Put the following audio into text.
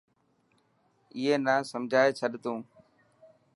اي نا سمجهائي ڇڏ تون.